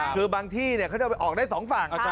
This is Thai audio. คือบางที่เนี่ยเขาจะออกได้สองฝั่ง